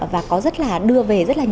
và có rất là đưa về rất là nhiều quy hoạch